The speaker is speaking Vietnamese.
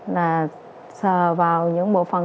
là sờ vào những bộ phần